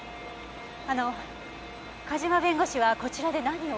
あの梶間弁護士はこちらで何を？